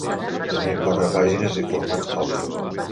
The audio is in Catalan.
Tenia quatre pàgines i format foli.